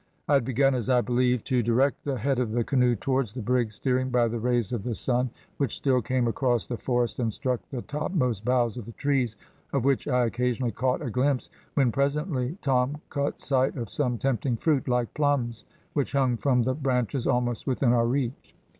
I had begun, as I believed, to direct the head of the canoe towards the brig, steering by the rays of the sun, which still came across the forest and struck the topmost boughs of the trees, of which I occasionally caught a glimpse, when presently Tom caught sight of some tempting fruit like plums, which hung from the branches almost within our reach.